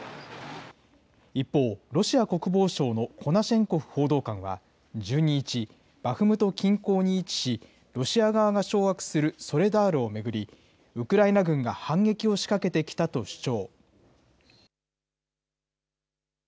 一方、ロシア国防省のコナシェンコフ報道官は１２日、バフムト近郊に位置し、ロシア側が掌握するソレダールを巡り、ウクライナ軍が反撃を仕掛けてきたと主張。